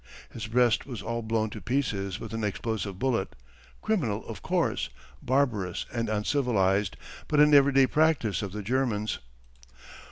His breast was all blown to pieces with an explosive bullet criminal, of course, barbarous and uncivilized, but an everyday practice of the Germans.